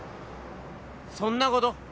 そんなこと？